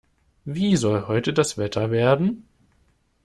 Wie soll heute das Wetter werden?